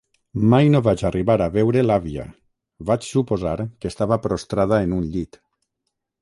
Mai no vaig arribar a veure l'àvia, vaig suposar que estava prostrada en un llit.